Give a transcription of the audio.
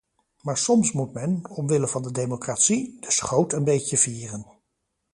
Maar soms moet men, omwille van de democratie, de schoot een beetje vieren.